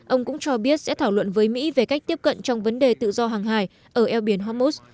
ông cũng cho biết sẽ thảo luận với mỹ về cách tiếp cận trong vấn đề tự do hàng hải ở eo biển hormuz